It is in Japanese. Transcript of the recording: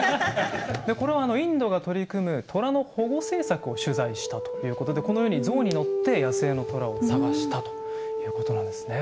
これはインドが取り組むトラの保護政策を取材したということでこのようにゾウに乗って野生のトラを探したということなんですね。